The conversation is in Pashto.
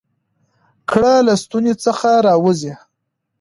ګړه له ستوني څخه راوزي؟